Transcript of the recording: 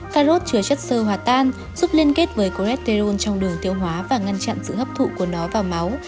cà rốt chứa chất sơ hòa tan giúp liên kết với coresterol trong đường tiêu hóa và ngăn chặn sự hấp thụ của nó vào máu